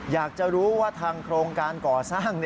อยากจะรู้ว่าทางโครงการก่อสร้าง